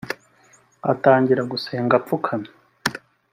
atangira gusenga apfukamye